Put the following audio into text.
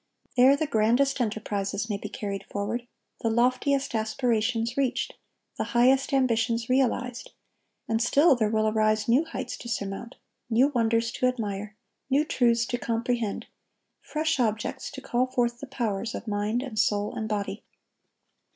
There the grandest enterprises may be carried forward, the loftiest aspirations reached, the highest ambitions realized; and still there will arise new heights to surmount, new wonders to admire, new truths to comprehend, fresh objects to call forth the powers of mind and soul and body.